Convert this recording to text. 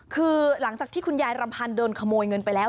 คือหลังจากที่คุณยายรำพันธ์โดนขโมยเงินไปแล้ว